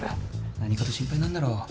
何かと心配なんだろう。